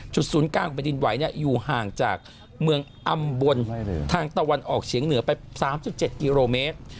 ศูนย์กลางของแผ่นดินไหวอยู่ห่างจากเมืองอำบลทางตะวันออกเฉียงเหนือไป๓๗กิโลเมตร